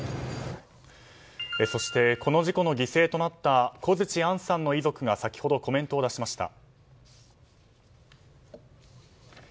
そしてこの事故の犠牲となった小槌杏さんの遺族が先ほどコメントを出しました。